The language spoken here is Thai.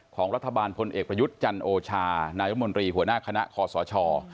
ของรัฐบาลพลเอกประยุทธ์จันโอชานายรัฐมนตรีหัวหน้าคณะคอสช